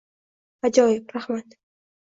Ajoyib, rahmat.